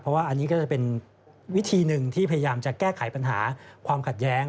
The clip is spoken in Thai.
เพราะว่าอันนี้ก็จะเป็นวิธีหนึ่งที่พยายามจะแก้ไขปัญหาความขัดแย้ง